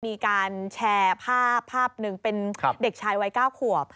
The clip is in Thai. มีการแชร์ภาพภาพหนึ่งเป็นเด็กชายวัย๙ขวบ